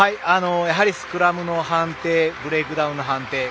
やはりスクラムの判定ブレイクダウンの判定